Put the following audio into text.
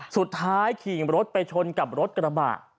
สุดท้ายขี่รถไปชนกับรถกระบะ